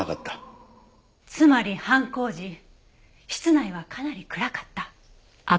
つまり犯行時室内はかなり暗かった。